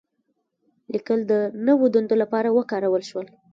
لیکل د نوو دندو لپاره وکارول شول.